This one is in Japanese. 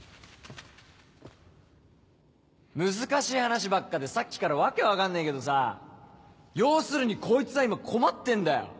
難しい話ばっかでさっきから訳分かんねえけどさ要するにこいつは今困ってんだよ！